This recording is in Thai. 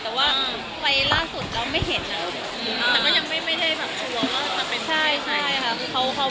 แต่ว่าวัยล่างสุดบอกจะไม่เห็น